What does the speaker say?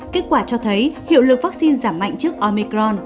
kết quả cho thấy hiệu lượng vaccine giảm mạnh trước omicron